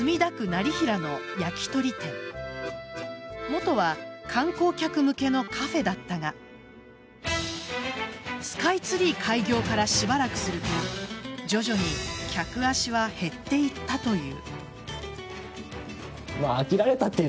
元は観光客向けのカフェだったがスカイツリー開業からしばらくすると徐々に客足は減っていったという。